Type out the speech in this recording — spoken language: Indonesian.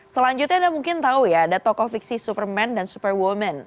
selanjutnya anda mungkin tahu ya ada tokoh fiksi superman dan superwoman